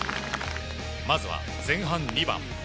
まずは前半２番。